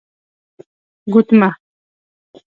💍 ګوتمه